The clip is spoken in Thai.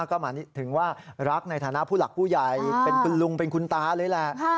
ก็หมายถึงว่ารักในฐานะผู้หลักผู้ใหญ่เป็นคุณลุงเป็นคุณตาเลยแหละ